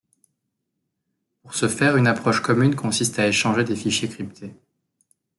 Pour ce faire, une approche commune consiste à échanger des fichiers cryptés.